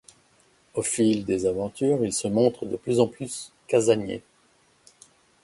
Au fil des aventures, il se montre de plus en plus casanier.